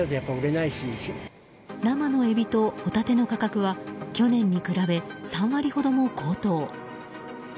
生のエビとホタテの価格は去年に比べて３割ほども高騰。